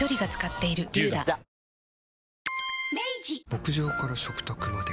牧場から食卓まで。